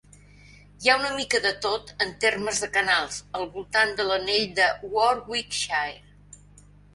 Hi ha una mica de tot, en termes de canals, al voltant de l'anell de Warwickshire.